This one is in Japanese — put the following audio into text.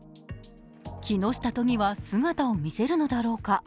木下都議は姿を見せるのだろうか。